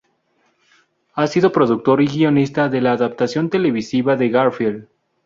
Ha sido productor y guionista de la adaptación televisiva de Garfield.